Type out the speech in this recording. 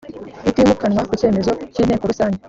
itimukanwa ku cyemezo cy inteko rusange